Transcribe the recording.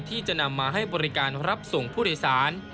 ที่จะนำมาให้บริการรับส่งผู้โดยสาร